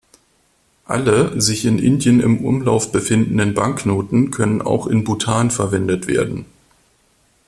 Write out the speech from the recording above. Alle sich in Indien im Umlauf befindenden Banknoten können auch in Bhutan verwendet werden.